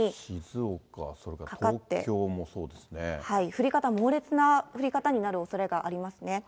降り方も猛烈な降り方になるおそれがありますね。